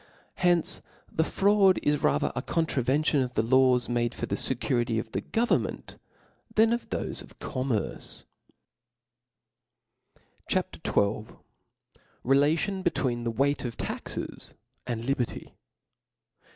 hence the fraud * is rather a contra vention of the laws made for the fecurity of the government, than of thofe of commerce, CHAP; XII. Relation bHweeen the weight of Taxes and Li berty.